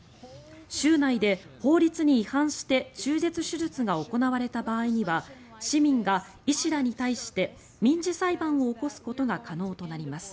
州内で法律に違反して中絶手術が行われた場合には市民が医師らに対して民事裁判を起こすことが可能となります。